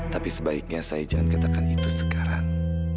tapi sebaiknya saya jangan katakan itu sekarang